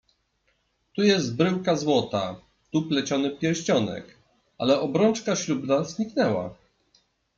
"Tu jest bryłka złota, tu pleciony pierścionek, ale obrączka ślubna zniknęła."